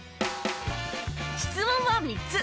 質問は３つ。